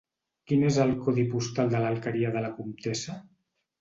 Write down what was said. Quin és el codi postal de l'Alqueria de la Comtessa?